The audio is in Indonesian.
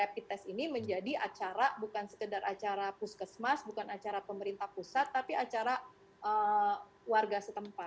jadi rapid test ini menjadi acara bukan sekedar acara puskesmas bukan acara pemerintah pusat tapi acara warga setempat